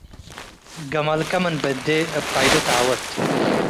ገመልከ ምን በዴ እብ ቀይዱ ተዐወት።